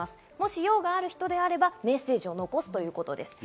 用がある人はメッセージを残すということです。